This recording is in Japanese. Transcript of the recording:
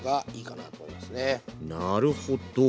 なるほど。